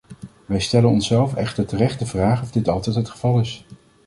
Wij stellen onszelf echter terecht de vraag of dit altijd het geval is.